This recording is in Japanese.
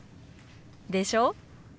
でしょ？